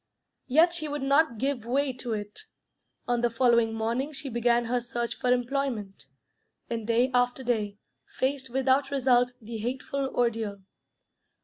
Yet she would not give way to it. On the following morning she began her search for employment, and day after day faced without result the hateful ordeal.